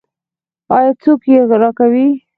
آیا څوک یې راکوي؟